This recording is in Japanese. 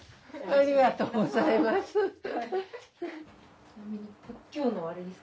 ありがとうございますフフフ。